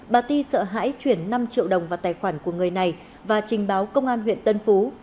bà t sợ hãi chuyển năm triệu đồng vào tài khoản của người này và trình báo công an huyện tân phú